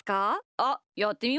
あっやってみます？